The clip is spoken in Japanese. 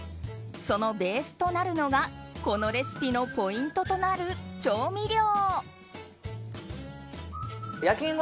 そのベースとなるのがこのレシピのポイントとなる調味料。